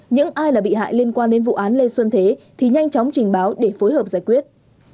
những ai là bị hại liên quan đến vụ án lê xuân thế thì nhanh chóng trình báo để phối hợp giải quyết